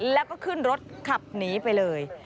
แล้วก็ขึ้นรถขับหนีไปเลย